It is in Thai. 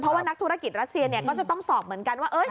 เพราะว่านักธุรกิจรัสเซียก็จะต้องสอบเหมือนกันว่า